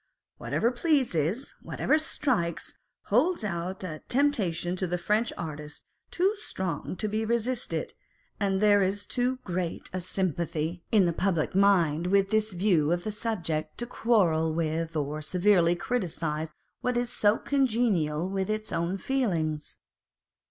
Whatever pleases, what ever strikes, holds out a temptation to the French artist too strong to be resisted, and there is too great a sympathy in the public mind with this view of the subject, to quarrel with or severely criticise what is so congenial with its own feelings.